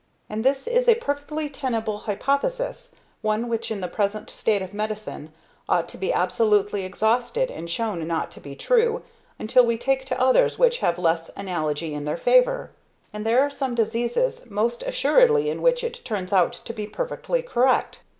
And that is a perfectly tenable hypothesis, one which in the present state of medicine ought to be absolutely exhausted and shown not to be true, until we take to others which have less analogy in their favour. And there are some diseases most assuredly in which it turns out to be perfectly correct.